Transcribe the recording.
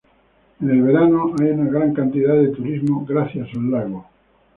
En el verano hay una gran cantidad de turismo gracias al lago.